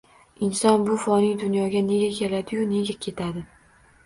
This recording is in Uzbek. Inson bu foniy dunyoga nega keladi-yu, nega ketadi?